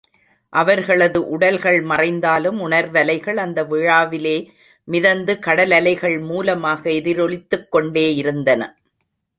அவர்களது உடல்கள் மறைந்தாலும் உணர்வலைகள் அந்த விழாவிலே மிதந்து கடலலைகள் மூலமாக எதிரொலித்துக் கொண்டே இருந்தன.